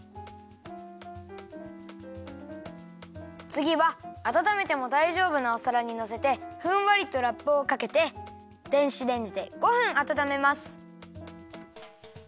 つぎはあたためてもだいじょうぶなおさらにのせてふんわりとラップをかけて電子レンジで５分あたためます。